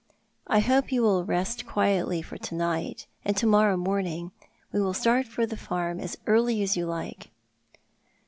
I hope you will rest quietly for to night — and to morrow morning we will start for the farm as early as yuu like."